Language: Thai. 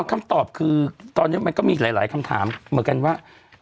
คำตอบคือตอนนี้มันก็มีหลายคำถามเหมือนกันว่า